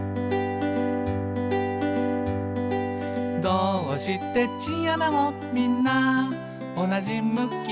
「どーうしてチンアナゴみんなおなじ向き？」